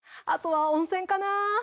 あとは温泉かな。